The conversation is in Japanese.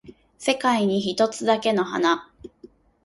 世界に一つだけの花